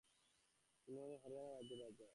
তিনি হলেন হরিয়ানা রাজ্যের রাজা।